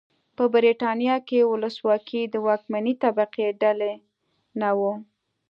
په برېټانیا کې ولسواکي د واکمنې طبقې ډالۍ نه وه.